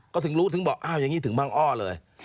ก็ถึงรู้ถึงบอกอ้าวอย่างนี้ถึงบางอ้อเลย